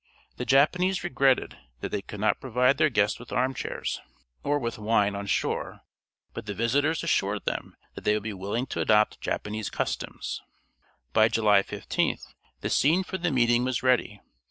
The Japanese regretted that they could not provide their guests with armchairs or with wine on shore, but the visitors assured them that they would be willing to adopt Japanese customs. By July 13th the scene for the meeting was ready.